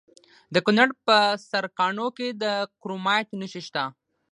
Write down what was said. د کونړ په سرکاڼو کې د کرومایټ نښې شته.